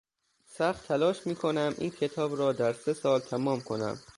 سخت تلاش میکنم این کتاب را در سه سال تمام کنم.